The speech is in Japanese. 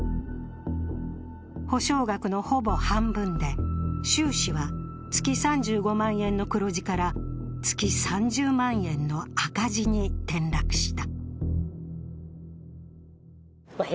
保証額のほぼ半分で収支は月３５万円の黒字から、月３０万円の赤字に転落した。